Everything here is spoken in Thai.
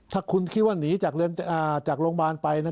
ถ้าคุณคิดว่านี่จากแล้วจากโรงพยาบาลไป